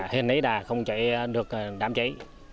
hên ấy đã không chạy được đám cháy